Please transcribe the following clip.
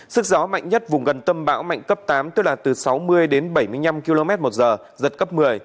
sức gió mạnh nhất vùng gần tâm bão mạnh cấp tám tức là từ sáu mươi đến bảy mươi năm km một giờ giật cấp một mươi